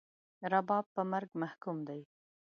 رباب په مرګ محکوم دی